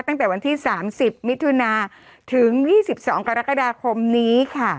ตั้งแต่วันที่๓๐มิถุนาถึง๒๒กรกฎาคมนี้ค่ะ